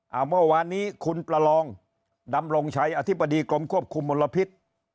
เอาเมื่อวานนี้คุณประลองดำรงชัยอธิบดีกรมควบคุมมลพิษ